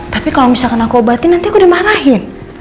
tapi kalo misalkan aku obatin nanti aku udah marahin